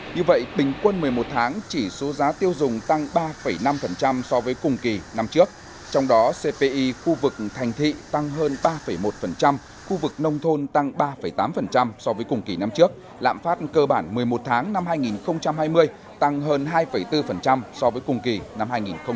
như vậy bình quân một mươi một tháng chỉ số giá tiêu dùng tăng ba năm so với cùng kỳ năm trước trong đó cpi khu vực thành thị tăng hơn ba một khu vực nông thôn tăng ba tám so với cùng kỳ năm trước lạm phát cơ bản một mươi một tháng năm hai nghìn hai mươi tăng hơn hai bốn so với cùng kỳ năm hai nghìn một mươi chín